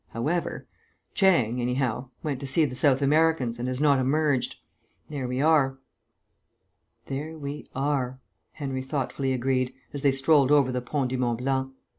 However Chang, anyhow, went to see the South Americans, and has not emerged. There we are." "There we are," Henry thoughtfully agreed, as they strolled over the Pont du Mont Blanc.